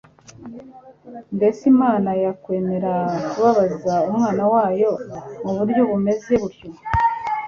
Mbese Imana yakwemera kubabaza Umwana wayo mu buryo bumeze butyo?